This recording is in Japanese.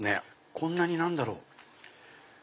こんなに何だろう？